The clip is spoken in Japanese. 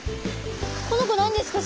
この子何ですか？